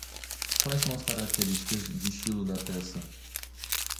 Quais são as características de estilo da peça?